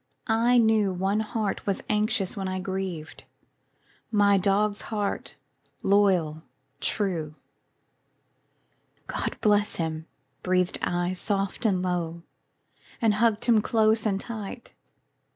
I knew One heart was anxious when I grieved My dog's heart, loyal, true. "God bless him," breathed I soft and low, And hugged him close and tight.